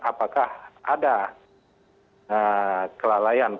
apakah ada kelalaian